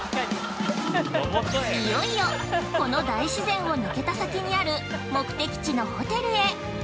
◆いよいよこの大自然を抜けた先にある目的地のホテルへ。